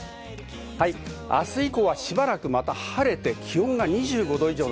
明日以降はしばらく晴れて、気温は２５度以上。